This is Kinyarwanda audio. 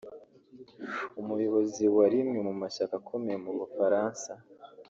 umuyobozi wa rimwe mu mashyaka akomeye mu Bufaransa